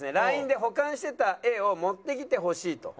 ＬＩＮＥで「保管してた画を持ってきてほしい」と。